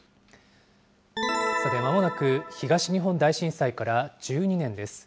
さて、まもなく東日本大震災から１２年です。